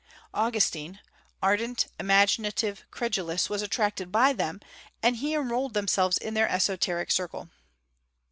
Augustine ardent, imaginative, credulous was attracted by them, and he enrolled himself in their esoteric circle.